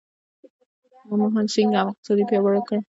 منموهن سینګ اقتصاد پیاوړی کړ.